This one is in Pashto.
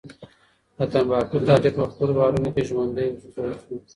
د تنباکو تاجر په خپلو بارونو کې ژوندی وسوځول شو.